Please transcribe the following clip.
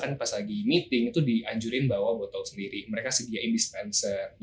kan pas lagi meeting itu dianjurin bawa botol sendiri mereka sediain dispenser